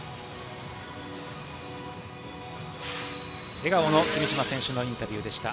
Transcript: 笑顔の君嶋選手のインタビューでした。